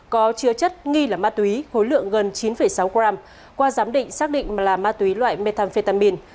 có chứa chất nghi là ma túy khối lượng gần chín sáu gram qua giám định xác định là ma túy loại methamphetamin